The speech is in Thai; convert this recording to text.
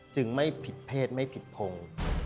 ไม่ผิดเพศไม่ผิดพง